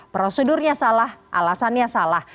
prosedurnya salah alasannya salah